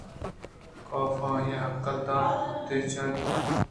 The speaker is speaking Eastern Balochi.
کافءَ آئی ءَہکّل دات ءُتاچینت اَنت